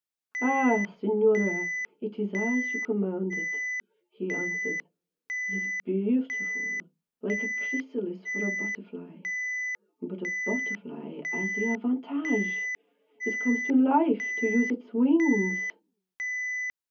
"Ah, Signora! It is as you commanded!" he answered "It is beautiful like a chrysalis for a butterfly. But a butterfly has the advantage it comes to LIFE, to use its wings!"